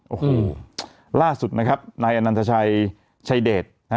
โอ้โหล่าสุดนะครับนายอนันทชัยชัยเดชนะฮะ